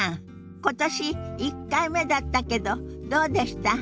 今年１回目だったけどどうでした？